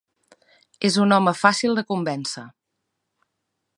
És un home fàcil de convèncer.